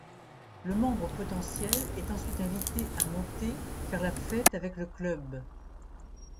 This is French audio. Le membre potentiel est ensuite invité à monter faire la fête avec le club.